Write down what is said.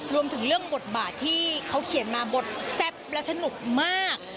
รวมถึงเรื่องบทบาทที่เขาเขียนมาบทแซ่บและสนุกมาก